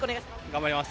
頑張ります。